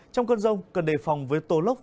trong cơn rông cần đề phòng với tổ lốc